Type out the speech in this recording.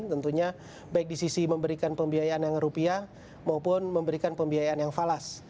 tentunya baik di sisi memberikan pembiayaan yang rupiah maupun memberikan pembiayaan yang falas